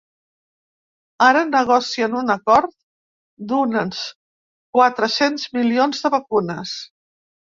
Ara negocien un acord d’uns quatre-cents milions de vacunes.